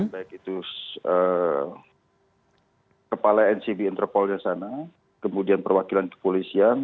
baik itu kepala ncb interpolnya sana kemudian perwakilan kepolisian